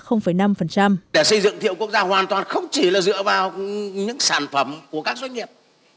để xây dựng thiệu quốc gia hoàn toàn không chỉ là dựa vào những sản phẩm của các doanh nghiệp